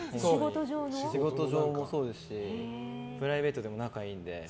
仕事上もそうですしプライベートも仲いいので。